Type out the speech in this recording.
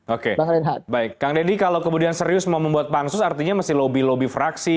oke baik kang deddy kalau kemudian serius mau membuat pansus artinya mesti lobby lobby fraksi